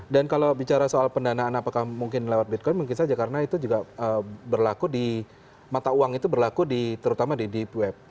dan kalau bicara soal pendanaan apakah mungkin lewat bitcoin mungkin saja karena itu juga berlaku di mata uang itu berlaku di terutama di deep web